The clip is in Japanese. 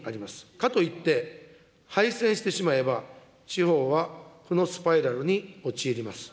かといって廃線してしまえば、地方は負のスパイラルに陥ります。